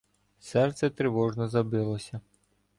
Серце тривожно забилося.